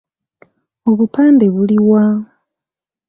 Obupande buli wa?